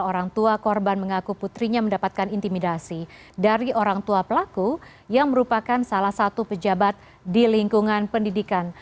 orang tua korban mengaku putrinya mendapatkan intimidasi dari orang tua pelaku yang merupakan salah satu pejabat di lingkungan pendidikan